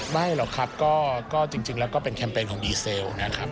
ไม่หรอกครับก็จริงแล้วก็เป็นแคมเปญของดีเซลนะครับ